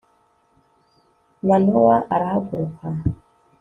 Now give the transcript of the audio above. manowa arahaguruka